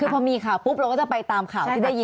คือพอมีข่าวปุ๊บเราก็จะไปตามข่าวที่ได้ยิน